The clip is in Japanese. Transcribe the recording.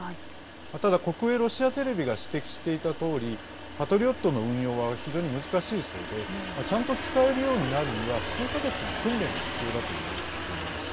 ただ、国営ロシアテレビが指摘していたとおり「パトリオット」の運用は非常に難しいそうでちゃんと使えるようになるには数か月の訓練が必要だといわれています。